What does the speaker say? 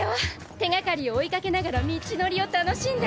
手がかりを追いかけながら道のりを楽しんだ。